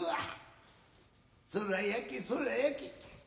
そら焼けそら焼け。